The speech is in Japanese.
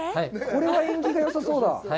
これは演技がよさそうだ。